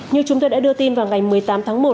như chúng tôi đã đưa tin vào ngày một mươi tám tháng một